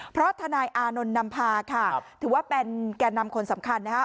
เพราะทนายอานนท์นำพาค่ะถือว่าเป็นแก่นำคนสำคัญนะฮะ